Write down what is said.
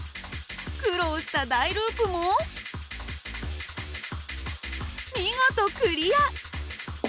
苦労した大ループも見事クリア。